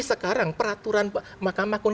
sekarang peraturan mahkamah akung